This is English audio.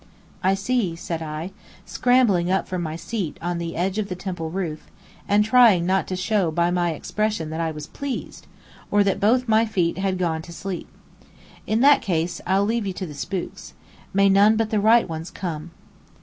_" "I see," said I, scrambling up from my seat on the edge of the temple roof, and trying not to show by my expression that I was pleased, or that both my feet had gone to sleep. "In that case, I'll leave you to the spooks. May none but the right ones come!"